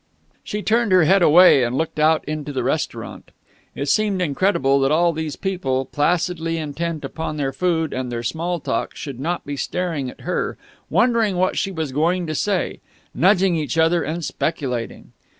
She turned her head away, and looked out into the restaurant. It seemed incredible that all these people, placidly intent upon their food and their small talk, should not be staring at her, wondering what she was going to say; nudging each other and speculating.